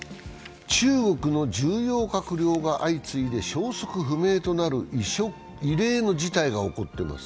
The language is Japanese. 中国の重要閣僚が相次いで消息不明となる異例の事態が起こっています。